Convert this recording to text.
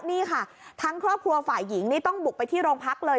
นี่ค่ะทั้งครอบครัวฝ่ายหญิงนี่ต้องบุกไปที่โรงพักเลย